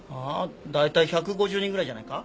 大体１５０人ぐらいじゃないか？